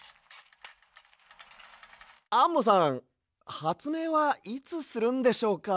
アンモさんはつめいはいつするんでしょうか？